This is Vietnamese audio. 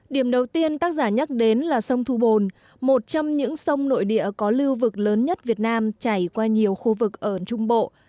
điểm đầu tiên tác giả nhắc đến là sông thu bồn một trong những sông nội địa có lưu vực lớn nhất việt nam chảy qua nhiều khu vực ở trung bộ